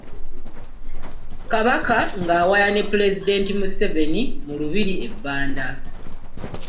Kabaka ng'awaya ne pulezidenti Museveni mu lubiri e Banda.